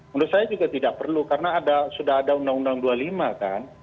menurut saya juga tidak perlu karena sudah ada undang undang dua puluh lima kan